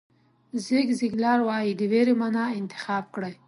زیګ زیګلار وایي د وېرې معنا انتخاب کړئ.